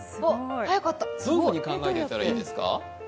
どういうふうに考えていったらいいですか？